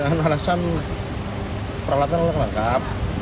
dengan alasan peralatan lengkap